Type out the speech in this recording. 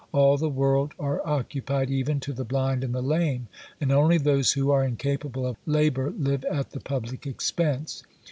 All the world are occupied, even to the blind and the lame; and only those who are incapable of labour live at the public expense.